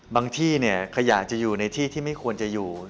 ที่ขยะจะอยู่ในที่ที่ไม่ควรจะอยู่